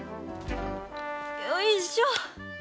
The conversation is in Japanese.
よいしょ。